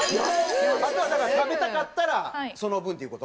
あとはだから食べたかったらその分っていう事？